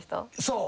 そう。